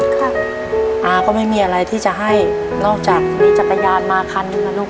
อาก็ไม่มีอะไรที่จะให้นอกจากมีจักรยานมาคันหนึ่งนะลูก